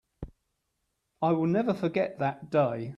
I will never forget that day.